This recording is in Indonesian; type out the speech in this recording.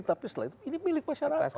tapi setelah itu ini milik masyarakat